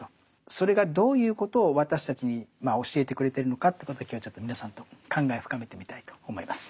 それがどういうことを私たちに教えてくれてるのかということを今日はちょっと皆さんと考えを深めてみたいと思います。